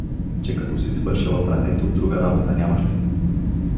— Че като си свършила прането, друга работа нямаш ли?